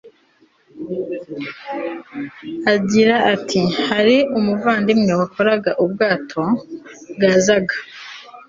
agira ati hari umuvandimwe wakoraga mu bwato bwazaga